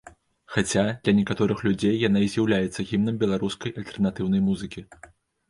Хаця, для некаторых людзей яна і з'яўляецца гімнам беларускай альтэрнатыўнай музыкі.